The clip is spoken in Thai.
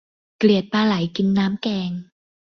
เกลียดปลาไหลกินน้ำแกง